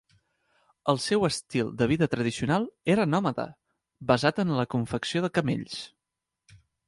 El seu estil de vida tradicional era nòmada, basat en la confecció de camells.